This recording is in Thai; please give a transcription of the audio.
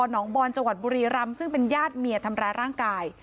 น้องบอนจังหวัดบุรีรำซึ่งเป็นญาติเมียทำร้ายร่างกาย